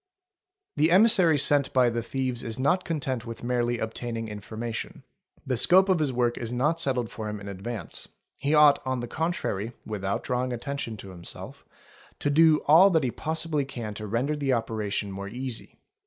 | The emissary sent by the thieves is not content with merely obtain ' ing information; the scope of his work is not settled for him in advance ;_ he ought on the contrary, without drawing attention to himself, to do 4 all that he possibly can to render the operation more easy.